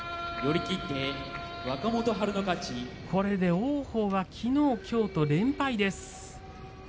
王鵬はきのう、きょうと連敗です。